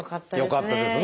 よかったですね。